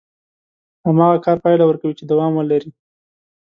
هماغه کار پايله ورکوي چې دوام ولري.